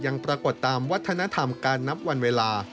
ยังปรากฏตามวัฒนธรรมการนับวันเวลา